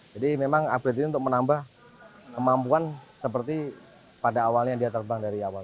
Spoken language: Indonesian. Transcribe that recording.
jadi memang upgrade ini untuk menambah kemampuan seperti pada awalnya dia terbang dari awal